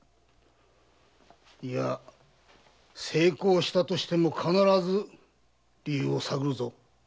いや成功したとしても必ず理由を探るぞ。